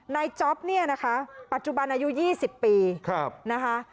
จ๊อปเนี่ยนะคะปัจจุบันอายุ๒๐ปีนะคะ